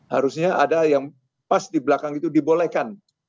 harusnya ada yang pas di belakang itu dibolehkan